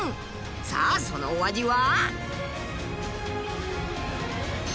さあそのお味は？